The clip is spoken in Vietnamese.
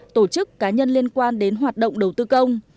tổ chức cá nhân liên quan đến hoạt động đầu tư công